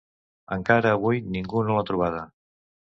Encara avui ningú no l'ha trobada.